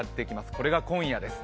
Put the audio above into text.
これが今夜です。